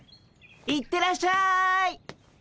行ってらっしゃい。